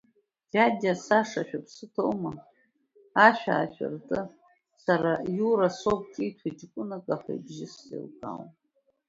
Диадиа Саша, шәыԥсы ҭоума, ашә аашәырты, сара, Иура, соуп, ҿиҭуеит ҷкәынак, аха ибжьы сзеилкаауам.